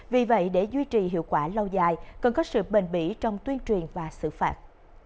vì vậy để duy trì hiệu quả lâu dài cần có sự bền bỉ trong tuyên truyền và xử phạt